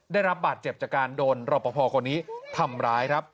ได้รับบาดเจ็บจากการโดนรอปภคนนี้ทำร้ายครับ